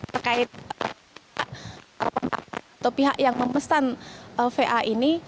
terkait atau pihak yang memesan va ini